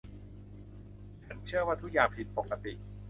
ฉันเชื่อว่าทุกอย่างผิดปกติ